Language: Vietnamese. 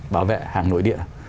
bảo vệ hàng nội địa